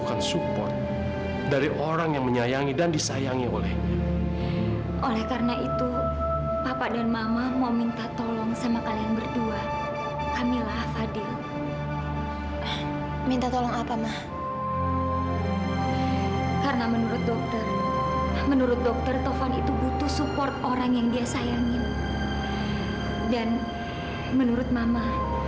kalau mentang mentang dia kaya dia seenak ya sama kita